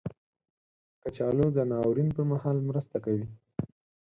کچالو د ناورین پر مهال مرسته کوي